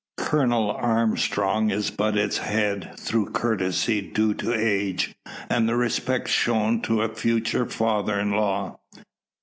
Colonel Armstrong is but its head through courtesy due to age, and the respect shown to a future father in law.